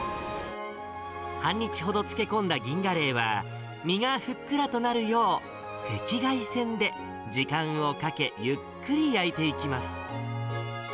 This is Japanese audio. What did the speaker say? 半日ほど漬け込んだ銀ガレイは、身がふっくらとなるよう、赤外線で時間をかけ、ゆっくり焼いていきます。